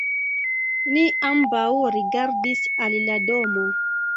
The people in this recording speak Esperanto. Ni ambaŭ rigardis al la domo.